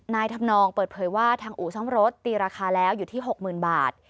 ทำนองเปิดเผยว่าทางอู่ซ่อมรถตีราคาแล้วอยู่ที่๖๐๐๐บาท